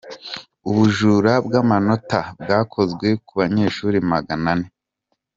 Ubujura bw’amanota bwakoze ku banyeshuri Magana ane